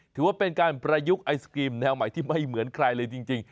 ถือว่าเป็นการประยุกต์ไอศกรีมแนวใหม่ที่ไม่เหมือนใครเลยจริง